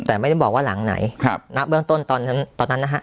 แต่ไม่ได้บอกว่าหลังไหนครับณเบื้องต้นตอนนั้นตอนนั้นนะฮะ